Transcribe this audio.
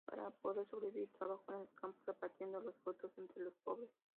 Para poder sobrevivir trabajó en el campo, repartiendo los frutos entre los pobres.